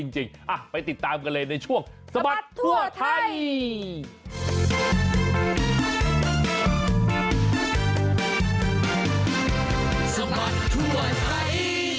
จริงไปติดตามกันเลยในช่วงสะบัดทั่วไทย